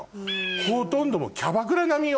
ほとんどもうキャバクラ並みよ。